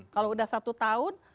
kalau udah satu tahun